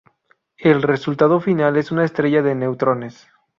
El resultado final es una estrella de neutrones.